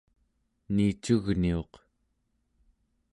niicugniuq